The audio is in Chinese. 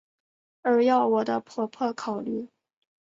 而要我的婆婆考虑！